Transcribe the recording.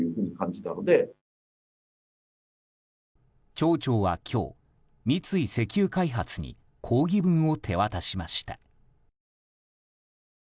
町長は今日、三井石油開発に抗議文を手渡しました。